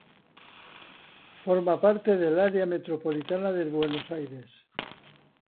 Forma parte del Área Metropolitana de Buenos Aires.